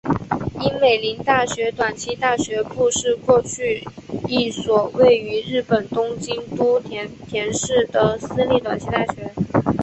樱美林大学短期大学部是过去一所位于日本东京都町田市的私立短期大学。